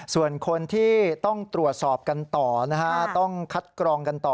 ส่วนคนที่ต้องตรวจสอบกันต่อนะฮะต้องคัดกรองกันต่อ